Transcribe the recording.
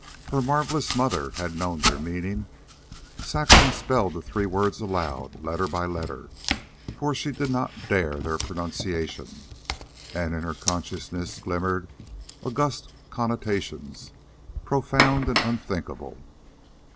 Her marvelous mother had known their meaning. Saxon spelled the three words aloud, letter by letter, for she did not dare their pronunciation; and in her consciousness glimmered august connotations, profound and unthinkable.